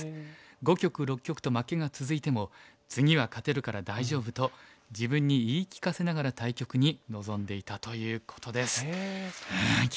５局６局と負けが続いても次は勝てるから大丈夫と自分に言い聞かせながら対局に臨んでいたということです。